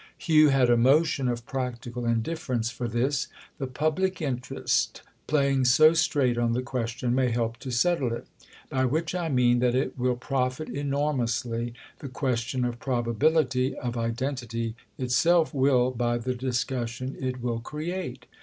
Hugh had a motion of practical indifference for this. "The public interest—playing so straight on the question—may help to settle it. By which I mean that it will profit enormously—the question of probability, of identity itself will—by the discussion it will create.